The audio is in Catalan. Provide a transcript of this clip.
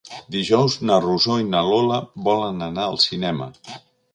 Dijous na Rosó i na Lola volen anar al cinema.